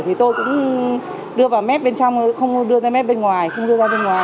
thì tôi cũng đưa vào mép bên trong không đưa ra mép bên ngoài không đưa ra bên ngoài